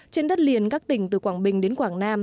trên đất liền các tỉnh từ quảng bình đến quảng nam